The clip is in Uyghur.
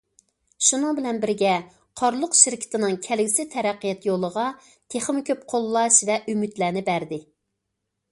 شۇنىڭ بىلەن بىرگە قارلۇق شىركىتىنىڭ كەلگۈسى تەرەققىيات يولىغا تېخىمۇ كۆپ قوللاش ۋە ئۈمىدلەرنى بەردى.